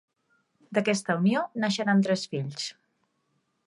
D'aquesta unió naixeran tres fills: